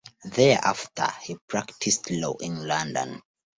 Thereafter he practiced law in London.